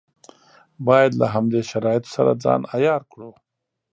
باید له همدې شرایطو سره ځان عیار کړو.